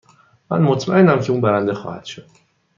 من مطمئنم که او برنده خواهد شد.